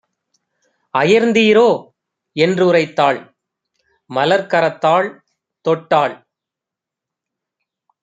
"அயர்ந்தீரோ" என்றுரைத்தாள்! மலர்க்கரத்தாள் தொட்டாள்!